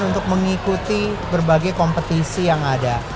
untuk mengikuti berbagai kompetisi yang ada